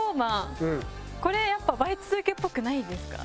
これやっぱＹ２Ｋっぽくないですか？